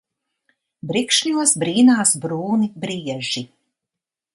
Brikšņos brīnās brūni brieži.